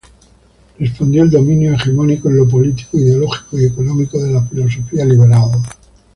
Respondió al dominio hegemónico en lo político, ideológico y económico de la filosofía liberal.